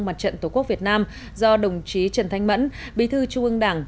mặt trận tổ quốc việt nam do đồng chí trần thanh mẫn bí thư trung ương đảng